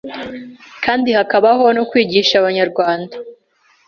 kandi hakabaho no kwigisha Abanyarwanda”.